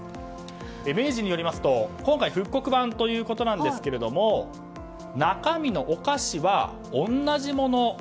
明治によりますと今回、復刻版ということなんですけれども中身のお菓子は同じもの。